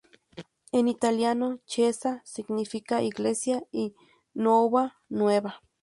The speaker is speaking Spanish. En italiano Chiesa, significa, Iglesia y Nuova, Nueva.